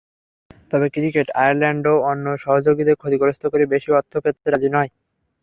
তবে ক্রিকেট আয়ারল্যান্ডও অন্য সহযোগীদের ক্ষতিগ্রস্ত করে বেশি অর্থ পেতে রাজি নয়।